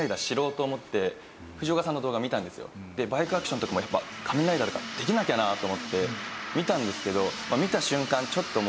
でバイクアクションとかもやっぱ仮面ライダーだからできなきゃと思って見たんですけど。